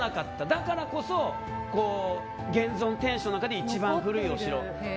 だからこそ現存天守の中で一番古いお城。